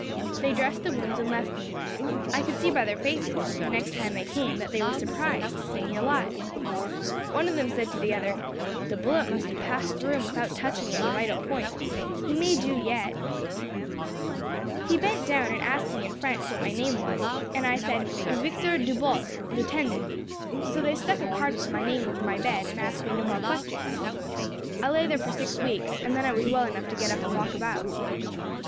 They dressed the wounds and left me. I could see by their faces, the next time they came, that they were surprised to see me alive. One of them said to the other: "'The bullet must have passed through him without touching any vital point. He may do yet.' "He bent down, and asked me in French what my name was, and I said 'Victor Dubosc, lieutenant;' so they stuck a card with my name over my bed, and asked me no more questions. I lay there for six weeks, and then I was well enough to get up and walk about.